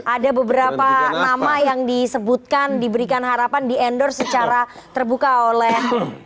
ada beberapa nama yang disebutkan diberikan harapan di endorse secara terbuka oleh